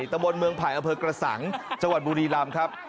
ตะบนเมืองไผ่อำเภอกระสังจังหวัดบุรีรำครับ